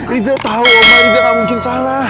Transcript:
riza tau omah riza gak mungkin salah